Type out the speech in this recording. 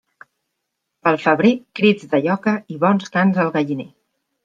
Pel febrer, crits de lloca i bons cants al galliner.